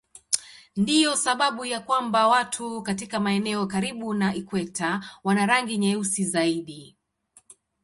Ndiyo sababu ya kwamba watu katika maeneo karibu na ikweta wana rangi nyeusi zaidi.